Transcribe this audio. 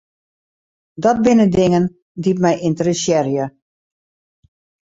Dat binne dingen dy't my ynteressearje.